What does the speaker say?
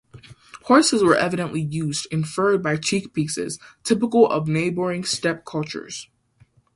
Horses were evidently used, inferred by cheek pieces typical of neighboring steppe cultures.